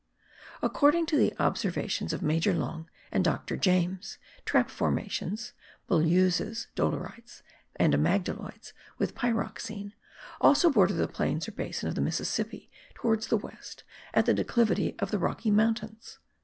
According to the observations of Major Long and Dr. James, trap formations (bulleuses dolerites and amygdaloids with pyroxene) also border the plains or basin of the Mississippi, towards the west, at the declivity of the Rocky Mountains.